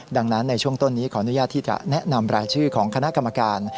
ดังนั้นในช่วงต้นนี้ขออนุญาตที่จะแนะนำรายชื่อของคณะกรรมการ